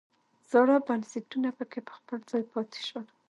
زاړه بنسټونه پکې په خپل ځای پاتې شول.